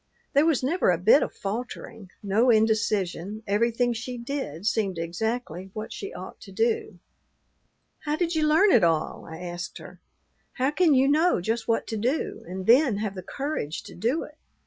There was never a bit of faltering, no indecision; everything she did seemed exactly what she ought to do. "How did you learn it all?" I asked her. "How can you know just what to do, and then have the courage to do it?